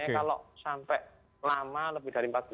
biasanya kalau sampai lama lebih dari empat kali